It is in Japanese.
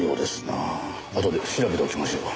あとで調べておきましょう。